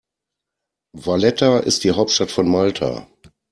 Valletta ist die Hauptstadt von Malta.